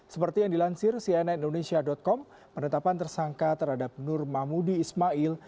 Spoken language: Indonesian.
seperti yang dilansir cnn indonesia com penetapan tersangka terhadap nur mahmudi ismail